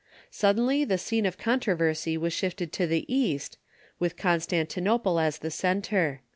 Suddenly the scene of controversy was shifted to the East, with Constantinople as the centre.